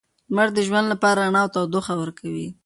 لمر د ژوند لپاره رڼا او تودوخه ورکوي.